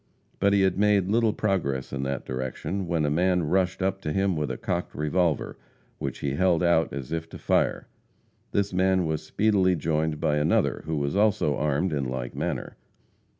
But he had made little progress in that direction, when a man rushed up to him with a cocked revolver, which he held out as if about to fire. This man was speedily joined by another, who was also armed in like manner.